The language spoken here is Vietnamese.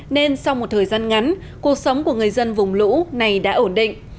nên sau một thời gian ngắn cuộc sống của người dân vùng lũ này đã ổn định